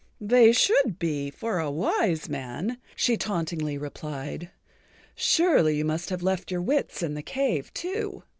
"They should be—for a wise man," she tauntingly replied. "Surely you must have left your wits in the cave too.